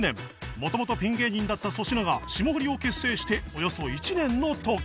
もともとピン芸人だった粗品が霜降りを結成しておよそ１年の時